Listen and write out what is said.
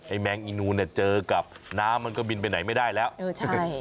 แมงอีนูนเนี่ยเจอกับน้ำมันก็บินไปไหนไม่ได้แล้วเออใช่